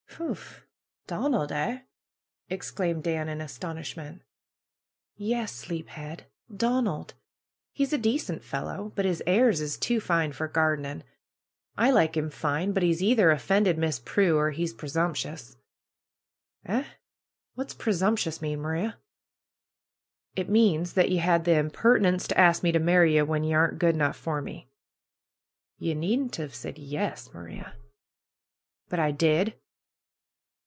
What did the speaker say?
"Phew! Donald, eh?" exclaimed Dan in astonish ment. "Yes, Sleephead! Donald! He's a decent fellow; but his airs is too fine for gardening. I like 'im fine. But he's either offended Miss Prue, or he's presum shious." "Eh! What's ^presumshious' mean, Maria?" "It means that ye had the impert'ence to ask me to marry ye, when ye arn't good enough for me !" "Ye needn't 'ave said ^yes,' Maria!" "But I did!"